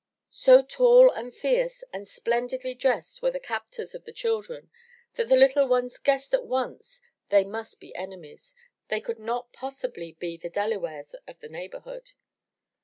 So tall and fierce and splendidly dressed were the captors of the children, that the little ones guessed at once they must be enemies. They could not possibly be the Delawares of the neighborhood.